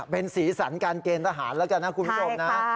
เป็นสีสันการเกณฑ์ทหารแล้วกันนะคุณผู้ชมนะ